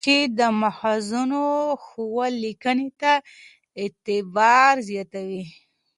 واقعیت دا دی چې د ماخذونو ښوول لیکنې ته اعتبار زیاتوي.